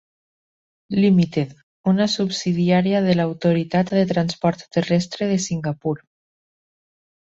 Limited, una subsidiària de l'autoritat de transport terrestre de Singapur.